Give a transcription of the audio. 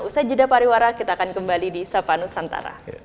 usai jeda pariwara kita akan kembali di sapa nusantara